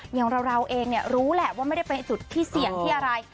อย่างเราเองรู้แหละว่าไม่ได้เป็นจุดที่เสี่ยงที่อะไร